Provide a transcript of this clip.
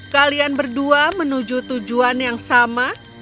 kalian berdua menuju tujuan yang sama